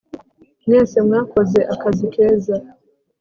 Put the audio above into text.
mwese mwakoze akazi keza